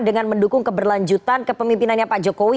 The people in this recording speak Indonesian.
dengan mendukung keberlanjutan kepemimpinannya pak jokowi